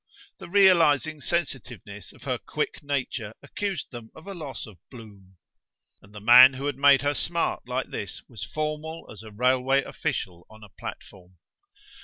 The realizing sensitiveness of her quick nature accused them of a loss of bloom. And the man who made her smart like this was formal as a railway official on a platform.